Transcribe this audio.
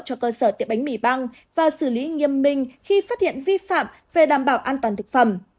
cho cơ sở tiệm bánh mì băng và xử lý nghiêm minh khi phát hiện vi phạm về đảm bảo an toàn thực phẩm